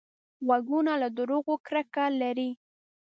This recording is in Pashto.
غوږونه له دروغو کرکه لري